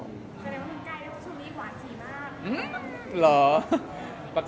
ซักทีแล้วเป็นนี่ประกาศสุดมีดหวานสี่มาก